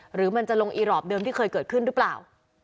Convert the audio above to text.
หรือมันจะลงอีรอปเดิมที่เคยเกิดขึ้นหรือเปล่า